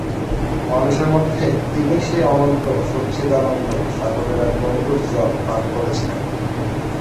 মানুষের মধ্যে তিনিই সেই অনন্ত সচ্চিদানন্দ-সাগরের এক গণ্ডূষ জল পান করেছিলেন।